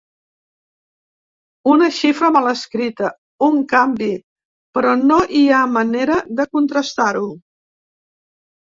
Una xifra mal escrita, un canvi… però no hi ha manera de contrastar-ho.